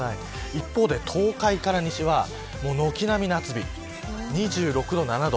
一方で、東海から西は軒並み夏日、２６度、２７度。